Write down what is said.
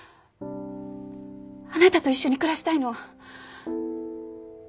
あなたと一緒に暮らしたいの。